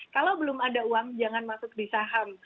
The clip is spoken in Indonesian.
kalau belum ada uang jangan masuk di saham